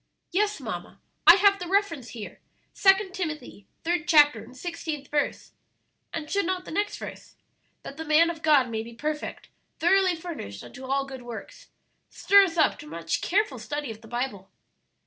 "Yes, mamma, I have the reference here; Second Timothy, third chapter, and sixteenth verse. And should not the next verse, 'That the man of God may be perfect, thoroughly furnished unto all good works,' stir us up to much careful study of the Bible?"